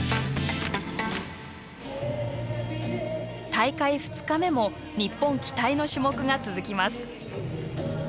大会２日目も日本期待の種目が続きます。